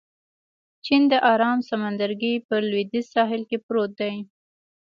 چین د ارام سمندرګي په لوېدیځ ساحل کې پروت دی.